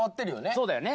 そうだよね。